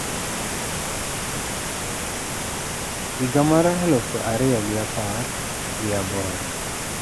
higa mar eluf ario gi apar gi aboro